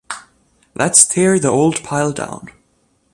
Let's tear the old pile down!